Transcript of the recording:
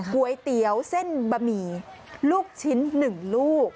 ก๋วยเตี๋ยวเส้นบะหมี่ลูกชิ้น๑ลูก